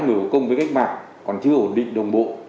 người có công với cách mạng còn chưa ổn định đồng bộ